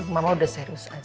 mama udah serius aja